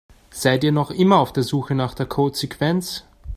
Seid ihr noch immer auf der Suche nach der Codesequenz?